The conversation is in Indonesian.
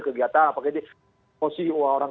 kegiatan apakah ini posisi orang